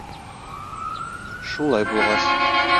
— Шулай булғас...